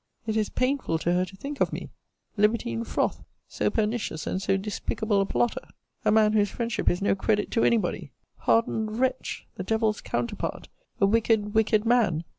'It is painful to her to think of me!' 'Libertine froth!' 'So pernicious and so despicable a plotter!' 'A man whose friendship is no credit to any body!' 'Hardened wretch!' 'The devil's counterpart!' 'A wicked, wicked man!'